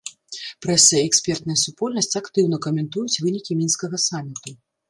Прэса і экспертная супольнасць актыўна каментуюць вынікі мінскага саміту.